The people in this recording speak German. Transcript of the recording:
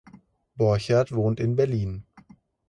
Borchert wohnt in Berlin.